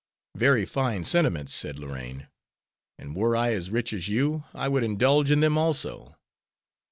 "Very fine sentiments," said Lorraine, "and were I as rich as you I would indulge in them also.